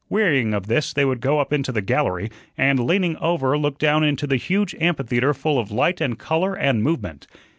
Wearying of this they would go up into the gallery, and, leaning over, look down into the huge amphitheatre full of light and color and movement.